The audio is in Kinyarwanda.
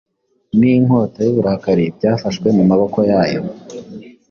Ninkota yuburakari byafashwe mu maboko yayo